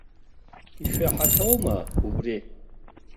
Ишәаҳахьоума убри?